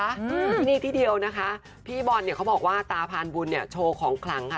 อืมที่นี่ที่เดียวนะคะพี่บอลเนี่ยเขาบอกว่าตาพานบุญเนี่ยโชว์ของขลังค่ะ